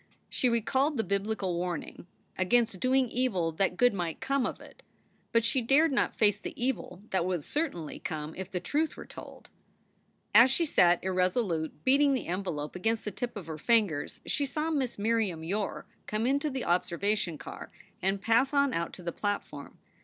She recalled the Biblical warning against doing evil that good might come of it. But she dared not face the evil that would certainly come if the truth were told. As she sat irresolute, beating the envelope against the tip of her fingers, she saw Miss Miriam Yore come into the observation car and pass on out to the platform.